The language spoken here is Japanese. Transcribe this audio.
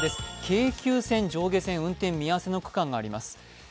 京急線上下線運転見合わせの区間があります。